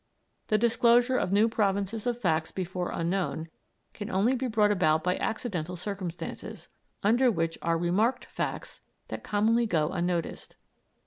The disclosure of new provinces of facts before unknown can only be brought about by accidental circumstances, under which are remarked facts that commonly go unnoticed.